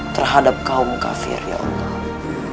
terhadap kaum kafir ya allah